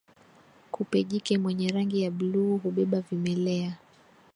Kupe jike mwenye rangi ya bluu hubeba vimelea